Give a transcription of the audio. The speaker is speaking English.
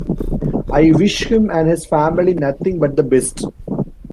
I wish him and his family nothing but the best.